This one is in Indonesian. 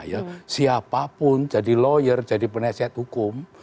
ya siapapun jadi lawyer jadi penasihat hukum